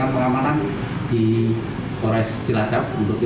ternyata tersangka berusaha melarikan diri